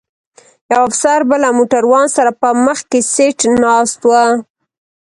یو افسر به له موټروان سره په مخکي سیټ ناست و.